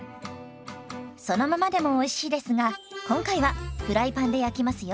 そのままでもおいしいですが今回はフライパンで焼きますよ。